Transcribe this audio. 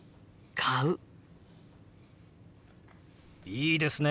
いいですね。